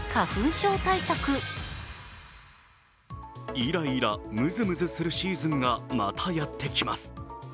イライラ、ムズムズするシーズンがまたやってきます。